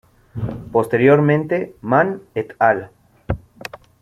Posteriormente, Mann "et al".